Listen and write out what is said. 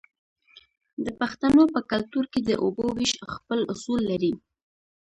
د پښتنو په کلتور کې د اوبو ویش خپل اصول لري.